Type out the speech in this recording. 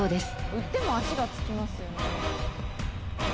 売っても足がつきますよね。